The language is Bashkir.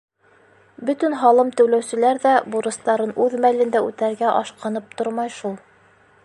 Бөтөн һалым түләүселәр ҙә бурыстарын үҙ мәлендә үтәргә ашҡынып тормай шул.